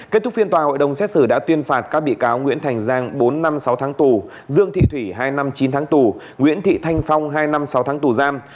kết thúc phiên tòa hội đồng xét xử đã tuyên phạt các bị cáo nguyễn thành giang bốn năm sáu tháng tù dương thị thủy hai năm chín tháng tù nguyễn thị thanh phong hai năm sáu tháng tù giam